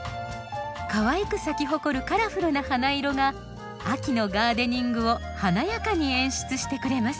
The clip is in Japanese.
かわいく咲き誇るカラフルな花色が秋のガーデニングを華やかに演出してくれます。